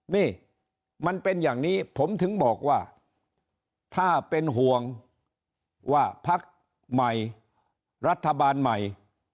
นี่มันเป็นอย่างนี้ผมถึงบอกว่าถ้าเป็นห่วงว่าพักใหม่รัฐบาลใหม่